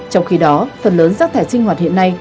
trong khi đó phần lớn rác thải sinh hoạt hiện nay